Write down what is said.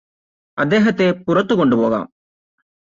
അദ്ദേഹത്തെ പുറത്തു കൊണ്ടു പോകാം